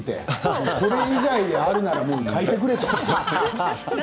これ以外であるものなら書いてくれと。